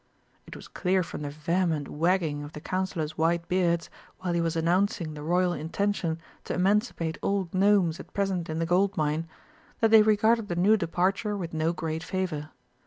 It was clear from the vehement wagging of the Councillors' white beards while he was announcing the Royal intention to emancipate all Gnomes at present in the Gold mine, that they regarded the new departure with no great favour.